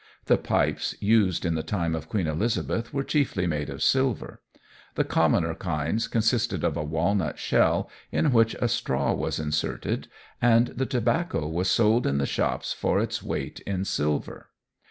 The pipes used in the time of Queen Elizabeth were chiefly made of silver. The commoner kinds consisted of a walnut shell, in which a straw was inserted, and the tobacco was sold in the shops for its weight in silver.